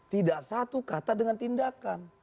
tidak satu kata dengan tindakan